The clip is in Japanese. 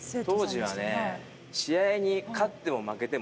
当時はね。